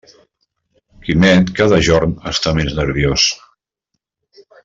Quimet cada jorn està més nerviós.